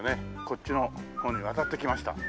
こっちの方に渡ってきました。